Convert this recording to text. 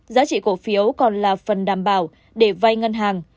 giá trị cổ phiếu còn là phần đảm bảo để vay ngân hàng